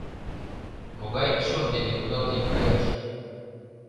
Могай чон дене кудалтен каяш?..